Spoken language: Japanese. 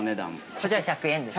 ◆こちら１００円ですね。